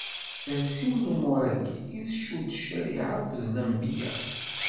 Ɣer sin n lumuṛ-agi i tcudd ccariɛa akked lenbiya.